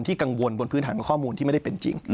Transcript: กังวลบนพื้นฐานของข้อมูลที่ไม่ได้เป็นจริง